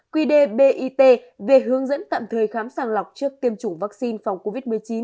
quy đề bit về hướng dẫn tạm thời khám sàng lọc trước tiêm chủng vaccine phòng covid một mươi chín